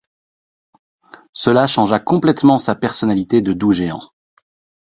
Cela changea complètement sa personnalité de doux géant.